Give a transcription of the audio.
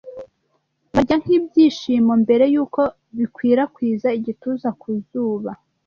Barya nk'ibyishimo mbere yuko bikwirakwiza igituza ku zuba?